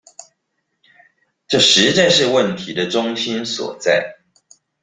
這實在是問題的中心所在